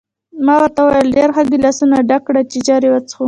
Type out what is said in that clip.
ما ورته وویل: ډېر ښه، ګیلاسونه ډک کړه چې ژر وڅښو.